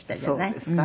そうですか？